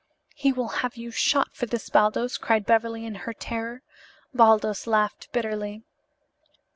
"He will have you shot for this, Baldos," cried Beverly in her terror. Baldos laughed bitterly.